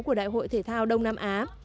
của đại hội thể thao đông nam á